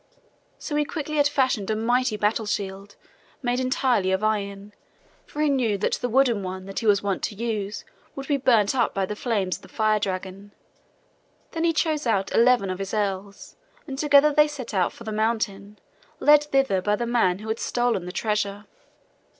So he quickly had fashioned a mighty battle shield, made entirely of iron, for he knew that the wooden one that he was wont to use would be burnt up by the flames of the fire dragon. Then he chose out eleven of his earls, and together they set out for the mountain, led thither by the man who had stolen the treasure.